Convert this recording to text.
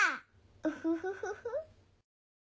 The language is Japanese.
ウフフフフ！